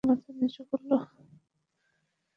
লজ্জা পেয়ে মাথা নিচু করল।